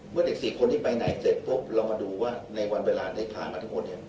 เมื่อเด็ก๔คนนี้ไปไหนเสร็จปุ๊บเรามาดูว่าในวันเวลาในทางกันทั้งหมดเนี่ย